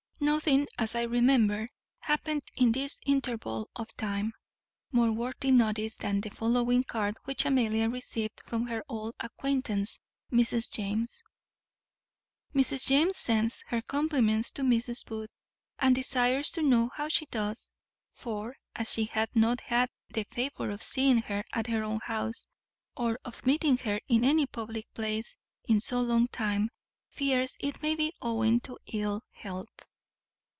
Nothing, as I remember, happened in this interval of time, more worthy notice than the following card which Amelia received from her old acquaintance Mrs. James: "Mrs. James sends her compliments to Mrs. Booth, and desires to know how she does; for, as she hath not had the favour of seeing her at her own house, or of meeting her in any public place, in so long time, fears it may be owing to ill health."